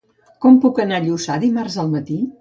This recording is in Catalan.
Com puc anar a Lluçà dimarts al matí?